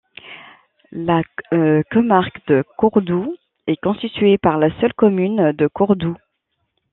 La comarque de Cordoue est constituée par la seule commune de Cordoue.